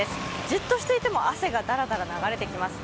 じっとしていても汗がだらだらと流れてきます。